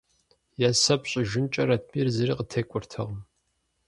Есэп щӏыжынкӏэ Ратмир зыри къытекӏуэртэкъым.